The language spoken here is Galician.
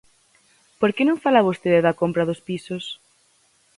¿Por que non fala vostede da compra dos pisos?